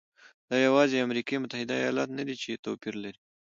دا یوازې امریکا متحده ایالات نه دی چې توپیر لري.